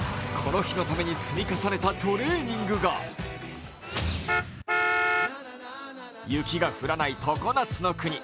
この日のために積み重ねたトレーニングが雪が降らない常夏の国。